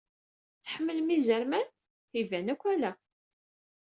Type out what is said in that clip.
Tḥemmlem izerman? Iban akk ala.